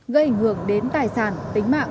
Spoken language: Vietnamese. gây ảnh hưởng đến tài sản tính mạng